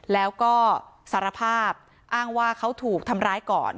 แล้วก็สารภาพอ้างว่าเขาถูกทำร้ายก่อน